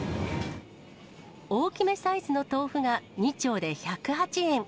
大きめサイズの豆腐が２丁で１０８円。